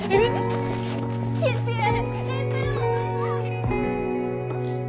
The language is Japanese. つけてやる！